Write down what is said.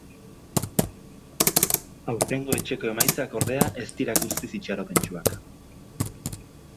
Aurtengo etxeko emaitzak, ordea, ez dira guztiz itxaropentsuak.